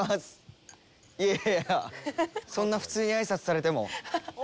いやいやいやそんな普通に挨拶されても。